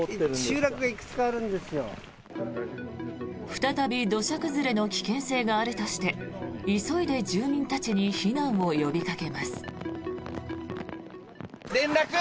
再び土砂崩れの危険性があるとして急いで住民たちに避難を呼びかけます。